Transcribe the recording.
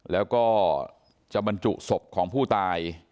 แล้วก็จะบรรจุศพของผู้ตาย